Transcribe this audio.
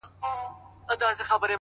بهرني ځواکونه راپورونه جوړوي ډېر ژر,